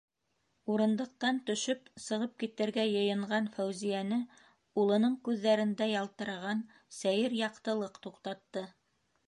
- Урындыҡтан төшөп, сығып китергә йыйынған Фәүзиәне улының күҙҙәрендә ялтыраған сәйер яҡтылыҡ туҡтатты.